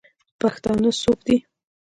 پښتانه څوک دئ؟